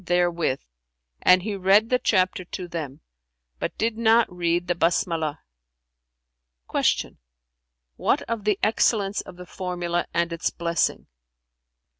therewith, and he read the chapter to them, but did not read the Basmalah."[FN#369] Q "What of the excellence of the formula and its blessing?"